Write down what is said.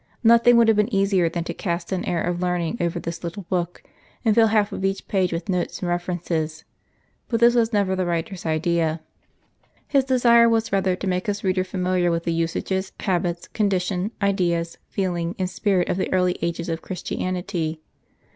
Nothing would have been easier than to cast an air of erudition over this little book, and till half of each page with notes and references. But this was never the writer' s idea. His desire was rather to make his reader familiar with the usages, habits, condition, ideas, feeling, and spirit of the early ages of Christian ity.